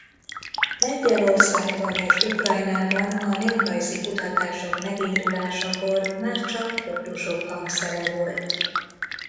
Lengyelországban és Ukrajnában a néprajzi kutatások megindulásakor már csak koldusok hangszere volt.